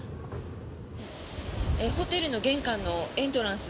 ホテルの玄関のエントランス